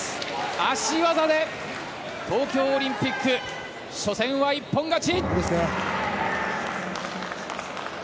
足技で東京オリンピック初戦は一本勝ち！